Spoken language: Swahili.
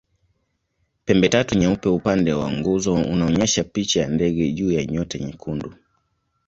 Pembetatu nyeupe upande wa nguzo unaonyesha picha ya ndege juu ya nyota nyekundu.